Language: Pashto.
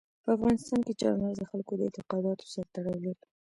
په افغانستان کې چار مغز د خلکو د اعتقاداتو سره تړاو لري.